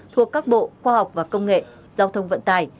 thuộc các bộ khoa học và công nghệ giao thông vận tài